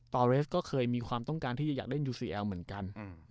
อเรสก็เคยมีความต้องการที่จะอยากเล่นยูซีแอลเหมือนกัน